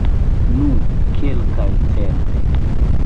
Nu, kelkaj certe.